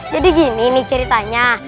jadi gini nih ceritanya